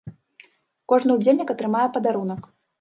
Кожны ўдзельнік атрымае падарунак.